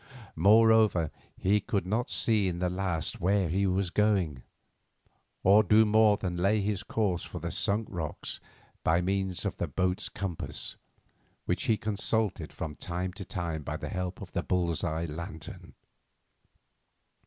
Moreover, he could not see in the least where he was going, or do more than lay his course for the Sunk Rocks by means of the boat's compass, which he consulted from time to time by the help of a bull's eye lantern.